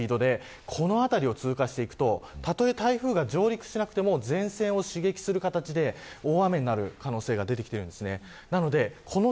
１０キロ、２０キロくらいのスピードでこの辺りを通過していくとたとえ台風が上陸しなくても前線を刺激する形で大雨になる可能性が出てきています。